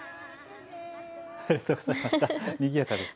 ありがとうございます。